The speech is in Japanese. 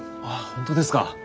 本当ですか。